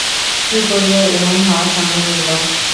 কী করিয়া এমন হওয়া সম্ভব হইল।